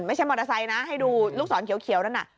ไม่ใช่มอเตอร์ไซค์นะให้ดูลูกศรเขียวนั่นน่ะ